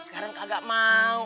sekarang kagak mau